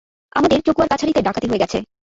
আমাদের চকুয়ার কাছারিতে ডাকাতি হয়ে গেছে!